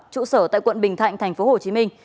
trụ sở tại quận bình thạnh tp hcm